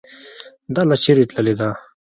.دا لار چیري تللې ده؟